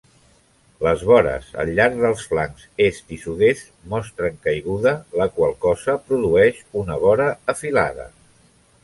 Les vores al llarg dels flancs est i sud-est mostren caiguda, la qual cosa produeix una vora afilada.